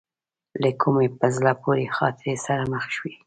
له کومې په زړه پورې خاطرې سره مخ شوې.